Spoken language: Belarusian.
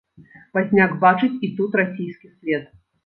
Пазняк бачыць і тут расійскі след.